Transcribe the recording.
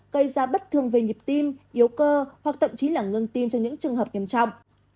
gây ra bất thường về nhịp tim yếu cơ hoặc thậm chí là ngưng tim cho những trường hợp nghiêm trọng